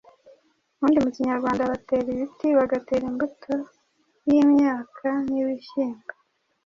Ubundi mu Kinyarwanda batera ibiti, bagatera imbuto y’imyaka nk’ibishyimbo,